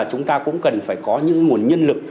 chúng ta cũng cần phải có những nguồn nhân lực